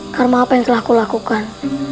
karma apa yang telah kulakukan